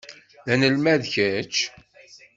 D anelmad kečč?